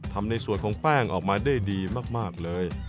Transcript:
ทำในส่วนของแป้งออกมาได้ดีมากเลย